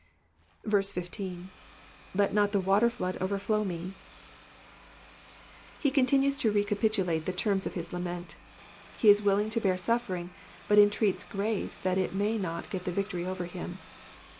15. ^''Let not the waterjlood oDerfUm me^ He continues to recapitulate the terms of his lament. He is willing to bear suflfering, but entreats grace that it may not get the victory over him.